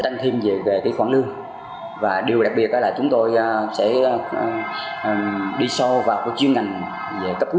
tăng thêm về cái khoản lương và điều đặc biệt là chúng tôi sẽ đi sâu vào cái chuyên ngành về cấp cứu